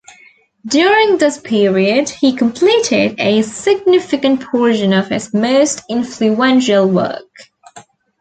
During this period, he completed a significant portion of his most influential work.